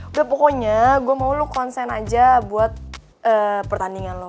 udah pokoknya gue mau lo konsen aja buat pertandingan lo